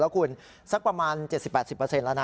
แล้วคุณสักประมาณเจ็ดสิบแปดสิบเปอร์เซ็นต์แล้วนะ